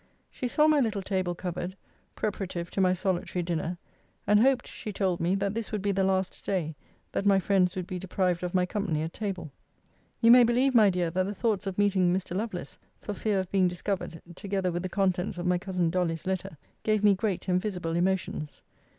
She saw my little table covered, preparative to my solitary dinner; and hoped, she told me, that this would be the last day that my friends would be deprived of my company at table. You may believe, my dear, that the thoughts of meeting Mr. Lovelace, for fear of being discovered, together with the contents of my cousin Dolly's letter, gave me great and visible emotions.